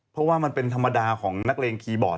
เพราะว่ามันเป็นธรรมดาของนักเลงคีย์บอร์ด